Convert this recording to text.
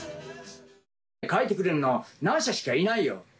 書いてくれるのは何社しかいないよ。